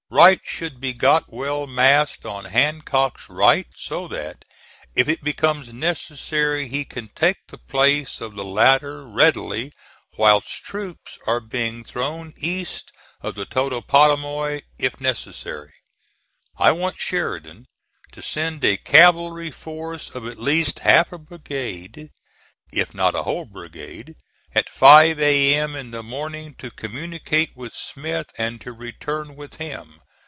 Wright should be got well massed on Hancock's right, so that, if it becomes necessary, he can take the place of the latter readily whilst troops are being thrown east of the Totopotomoy if necessary. I want Sheridan to send a cavalry force of at least half a brigade, if not a whole brigade, at 5 A.M. in the morning, to communicate with Smith and to return with him.